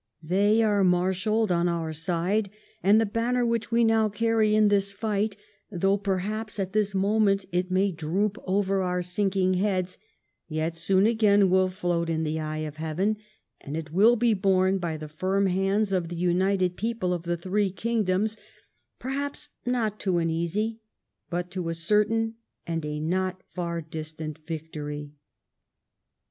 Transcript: They are marshalled on our side, and the banner which we now carry in this fight, though perhaps at this moment it may droop over our sinking heads, yet soon again will float in the eye of heaven, and it will be borne by the firm hands of the united people of the three kingdoms, perhaps not to an easy, but to a certain, and a not far distant, victory."